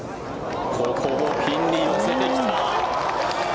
ここもピンに寄せてきた。